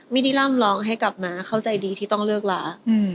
ไม่ได้ร่ำร้องให้กลับมาเข้าใจดีที่ต้องเลิกลา